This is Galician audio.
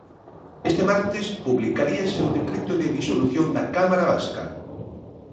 Este martes publicaríase o decreto de disolución da cámara vasca.